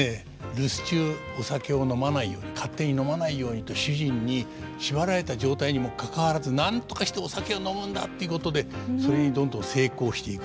留守中お酒を飲まないように勝手に飲まないようにと主人に縛られた状態にもかかわらずなんとかしてお酒を飲むんだということでそれにどんどん成功していく。